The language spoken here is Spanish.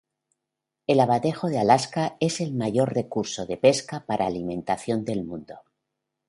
El abadejo de Alaska es el mayor recurso de pesca para alimentación del mundo.